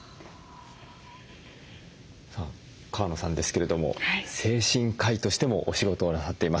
さあ川野さんですけれども精神科医としてもお仕事をなさっています。